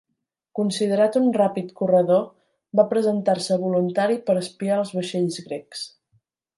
Considerat un ràpid corredor, va presentar-se voluntari per espiar els vaixells grecs.